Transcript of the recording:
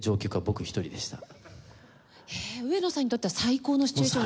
上野さんにとっては最高のシチュエーションですよね？